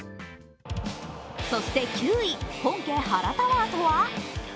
そして９位、本家原タワーとは。